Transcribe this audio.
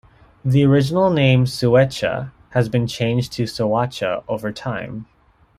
The original name "Suecha" has been changed to Soacha over time.